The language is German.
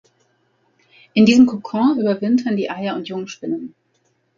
In diesem Kokon überwintern die Eier und Jungspinnen.